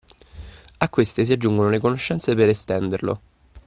A queste si aggiungono le conoscenze per estenderlo.